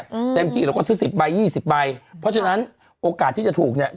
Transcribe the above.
อืมเต็มที่เราก็ซื้อสิบใบยี่สิบใบเพราะฉะนั้นโอกาสที่จะถูกเนี้ย